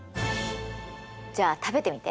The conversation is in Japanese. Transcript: じゃあ食べてみて。